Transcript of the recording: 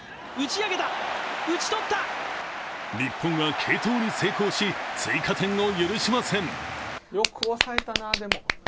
日本は継投に成功し、追加点を許しません。